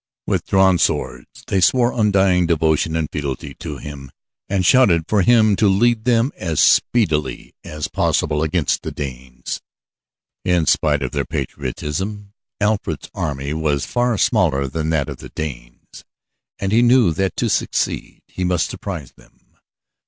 With drawn swords they swore undying devotion and fealty to him and shouted for him to lead them as speedily as possible against the Danes. In spite of their patriotism, Alfred's army was far smaller than that of the Danes, and he knew that to succeed he must surprise them.